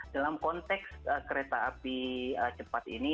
dalam konteks kereta api cepat ini